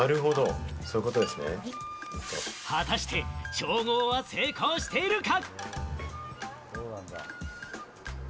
果たして調合は成功しているか？